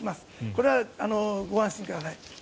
これはご安心ください。